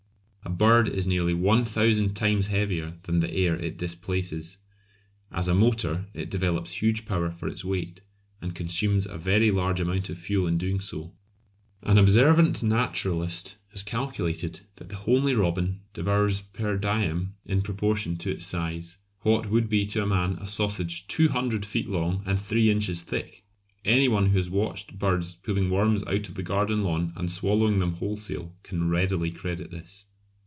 A bird is nearly one thousand times heavier than the air it displaces. As a motor it develops huge power for its weight, and consumes a very large amount of fuel in doing so. An observant naturalist has calculated that the homely robin devours per diem, in proportion to its size, what would be to a man a sausage two hundred feet long and three inches thick! Any one who has watched birds pulling worms out of the garden lawn and swallowing them wholesale can readily credit this.